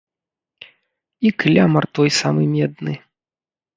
І клямар той самы медны!